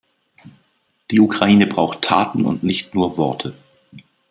Die Ukraine braucht Taten und nicht nur Worte.